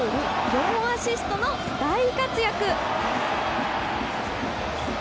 ４アシストの大活躍。